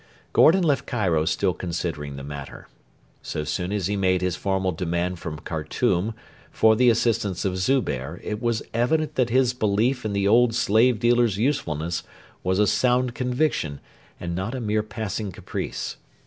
Gordon left Cairo still considering the matter. So soon as he made his formal demand from Khartoum for the assistance of Zubehr it was evident that his belief in the old slave dealer's usefulness was a sound conviction and not a mere passing caprice.